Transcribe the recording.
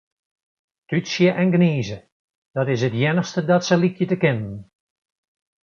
Tútsje en gnize, dat is it iennichste dat se lykje te kinnen.